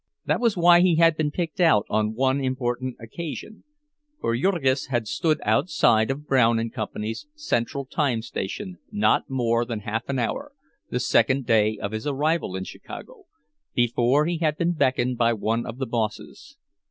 That was why he had been picked out on one important occasion; for Jurgis had stood outside of Brown and Company's "Central Time Station" not more than half an hour, the second day of his arrival in Chicago, before he had been beckoned by one of the bosses.